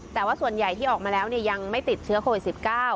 แต่ว่าส่วนใหญ่ที่ออกมาแล้วยังไม่ติดเชื้อโควิด๑๙